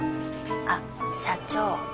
あっ社長。